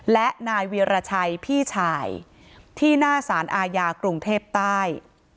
และนายเวียรชัยพี่ชายที่หน้าสารอาญากรุงเทพใต้